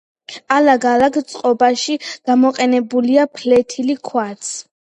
ალაგ-ალაგ წყობაში გამოყენებულია ფლეთილი ქვაც.